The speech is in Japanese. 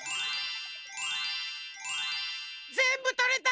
ぜんぶとれた！